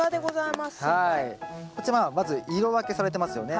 まあまず色分けされてますよね。